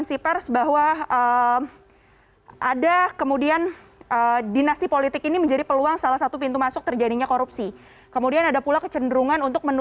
selamat sore mbak